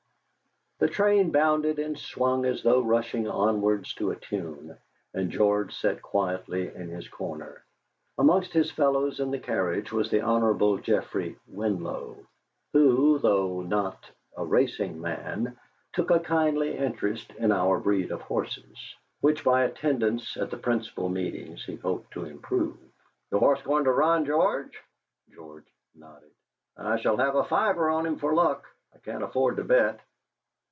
The train bounded and swung as though rushing onwards to a tune, and George sat quietly in his corner. Amongst his fellows in the carriage was the Hon. Geoffrey Winlow, who, though not a racing man, took a kindly interest in our breed of horses, which by attendance at the principal meetings he hoped to improve. "Your horse going to run, George?" George nodded. "I shall have a fiver on him for luck. I can't afford to bet.